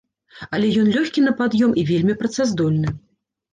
Але ён лёгкі на пад'ём і вельмі працаздольны.